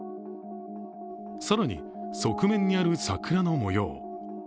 更に、側面にある桜の模様。